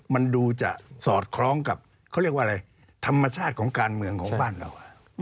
มันดูจะสอดคล้องกับเขาเรียกว่าอะไรธรรมชาติของการเมืองของบ้านเรา